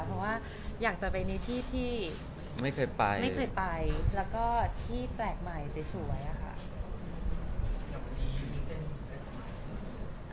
เพราะว่าอยากจะไปในที่ที่ไม่เคยไปไม่เคยไปแล้วก็ที่แปลกใหม่สวยอะค่ะ